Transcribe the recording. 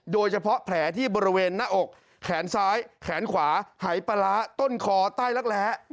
โดยเฉพาะแผลที่บริเวณหน้าอกแขนซ้ายแขนขวาหายปลาร้าต้นคอใต้รักแร้